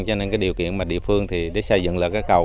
cho nên cái điều kiện mà địa phương thì để xây dựng lại cái cầu